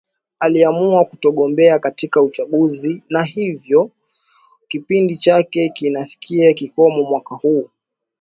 aliamua kutogombea katika uchaguzi na hiyo kipindi chake kinafikia kikomo mwaka huu